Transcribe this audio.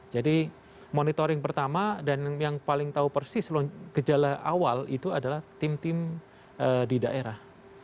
jadi monitoring pertama dan yang paling tahu persis kejala awal itu adalah tim tim di daerah